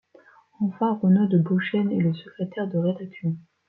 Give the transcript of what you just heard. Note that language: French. Enfin, Renaud de Beauchêne est le secrétaire de rédaction.